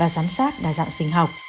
giám sát đa dạng sinh học